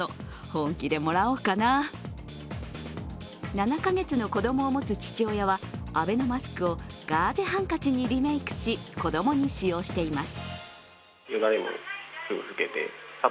７カ月の子供を持つ父親は、アベノマスクをガーゼハンカチにリメイクし子供に使用しています。